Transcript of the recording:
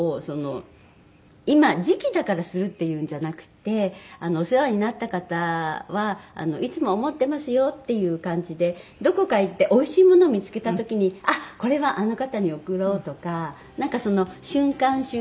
今時季だからするっていうんじゃなくてお世話になった方はいつも思ってますよっていう感じでどこかへ行っておいしいものを見付けた時にあっこれはあの方に贈ろうとかなんかその瞬間瞬間で。